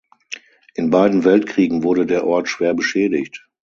In beiden Weltkriegen wurde der Ort schwer beschädigt.